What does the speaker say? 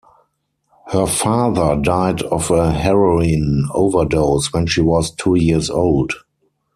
Her father died of a heroin overdose when she was two years old.